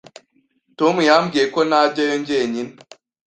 Tom yambwiye ko ntajyayo jyenyine.